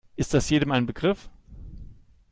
Ist das jedem ein Begriff?